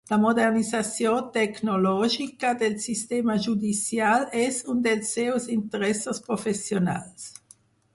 La modernització tecnològica del sistema judicial és un dels seus interessos professionals.